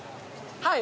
はい。